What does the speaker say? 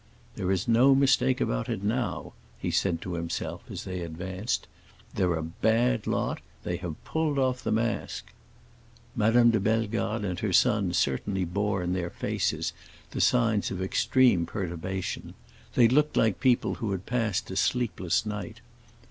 "There is no mistake about it now," he said to himself as they advanced. "They're a bad lot; they have pulled off the mask." Madame de Bellegarde and her son certainly bore in their faces the signs of extreme perturbation; they looked like people who had passed a sleepless night.